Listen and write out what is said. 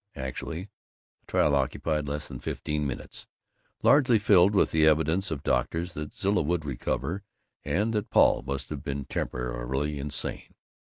Actually, the trial occupied less than fifteen minutes, largely filled with the evidence of doctors that Zilla would recover and that Paul must have been temporarily insane.